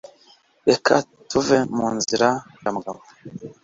Reka tuve mu nzira ya mugabo